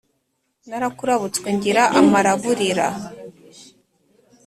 Narakurabutswe ngira amaraburira